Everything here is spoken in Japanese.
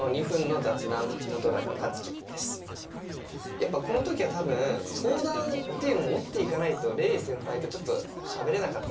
やっぱこの時は多分相談っていうのを持っていかないと黎先輩とちょっとしゃべれなかった。